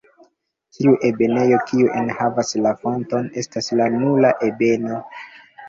Tiu ebeno kiu enhavas la fonton estas la "nula" ebeno.